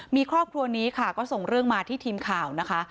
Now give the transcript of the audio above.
มีครอบครัวนี้ค่ะก็ส่งเรื่องมาที่ทีมข่าวนะคะ